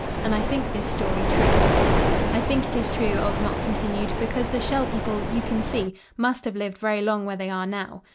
And I think this story true." "I think it is true," Old Mok continued, "because the Shell People, you can see, must have lived very long where they are now.